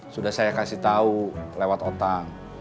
sudah saya kasih tau lewat otang